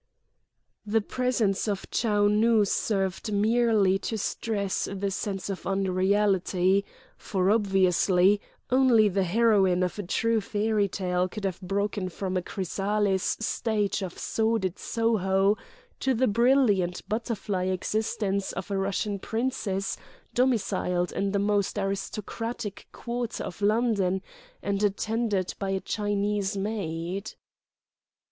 The presence of Chou Nu served merely to stress the sense of unreality: for, obviously, only the heroine of a true fairy tale could have broken from a chrysalis stage of sordid Soho to the brilliant butterfly existence of a Russian princess domiciled in the most aristocratic quarter of London and attended by a Chinese maid!